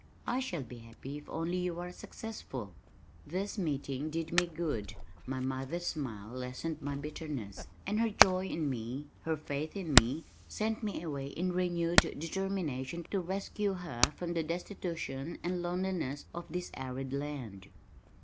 I shall be happy if only you are successful." This meeting did me good. My mother's smile lessened my bitterness, and her joy in me, her faith in me, sent me away in renewed determination to rescue her from the destitution and loneliness of this arid land.